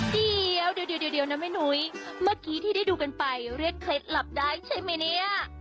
เดี๋ยวนะแม่นุ้ยเมื่อกี้ที่ได้ดูกันไปเรียกเคล็ดลับได้ใช่ไหมเนี่ย